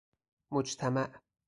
مجتمع